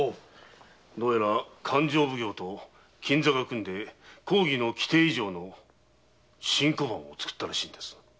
どうやら勘定奉行と金座が組んで公儀の規定以上の新小判をつくったらしいのです。